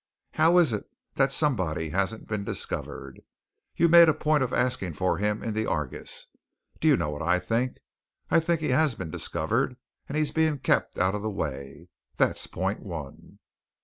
How is it that somebody hasn't been discovered? You made a point of asking for him in the Argus. Do you know what I think? I think he has been discovered, and he's being kept out of the way. That's point one."